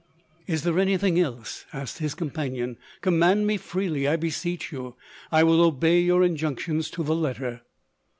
"Is there any thing else? 11 asked his com panion. " Command me freely, I beseech you ; I will obey your injunctions to the letter."